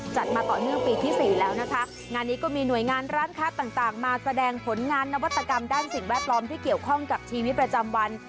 มาต่อเนื่องปีที่สี่แล้วนะคะงานนี้ก็มีหน่วยงานร้านค้าต่างมาแสดงผลงานนวัตกรรมด้านสิ่งแวดล้อมที่เกี่ยวข้องกับชีวิตประจำวัน